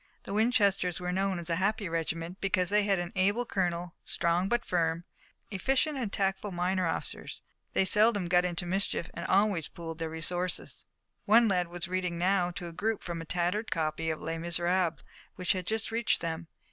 The Winchesters were known as a happy regiment, because they had an able colonel, strong but firm, efficient and tactful minor officers. They seldom got into mischief, and always they pooled their resources. One lad was reading now to a group from a tattered copy of "Les Miserables," which had just reached them.